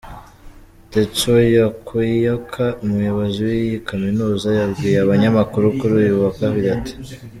Tetsuo Yukioka, umuyobozi w'iyi kaminuza, yabwiye abanyamakuru kuri uyu wa kabiri ati:.